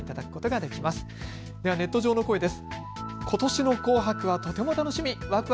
ではネット上の声です。